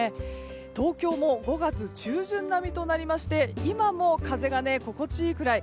東京も５月中旬並みとなりまして今も風が心地いいくらい。